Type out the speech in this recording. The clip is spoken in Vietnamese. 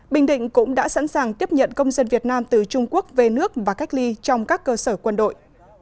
bình định cũng đã sẵn sàng tiếp nhận công dân việt nam từ trung quốc về nước và cách ly trong các cơ sở quân đội